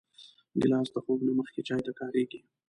ګیلاس د خوب نه مخکې چای ته کارېږي.